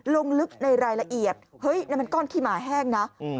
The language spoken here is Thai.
ลงลึกในรายละเอียดเฮ้ยนั่นมันก้อนขี้หมาแห้งนะ